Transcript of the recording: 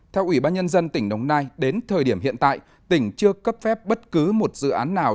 theo ủy ban nhân dân tỉnh đồng nai đến thời điểm hiện tại tỉnh chưa cấp phép bất cứ một dự án nào